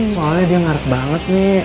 soalnya dia ngaret banget nek